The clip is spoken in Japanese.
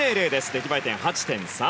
出来栄え点は８．３。